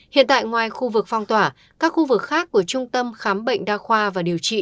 hiện tại ngoài khu vực phong tỏa các khu vực khác của trung tâm khám bệnh đa khoa và điều trị